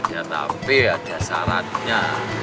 ya tapi ada syaratnya